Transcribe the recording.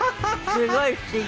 すごい不思議。